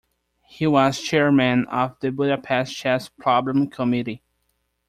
He was chairman of the Budapest Chess Problem Committee.